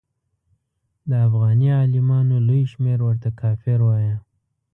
د افغاني عالمانو لوی شمېر ورته کافر وایه.